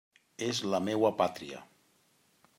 És la meua pàtria.